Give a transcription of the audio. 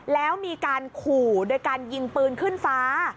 แล้วมีการขู่โดยการยิงปืนขึ้นฟ้า